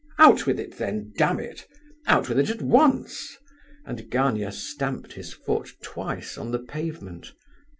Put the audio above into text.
"Out with it then, damn it! Out with it at once!" and Gania stamped his foot twice on the pavement.